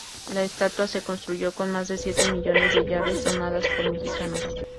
La estatua se construyó con más de siete millones de llaves donadas por mexicanos.